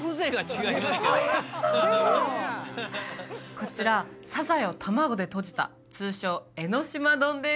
こちらサザエを卵でとじた通称江の島丼です